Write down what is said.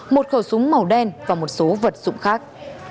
một khẩu súng màu đen và một số vật dụng khác